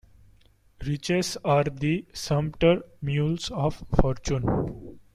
Riches are the sumpter mules of fortune.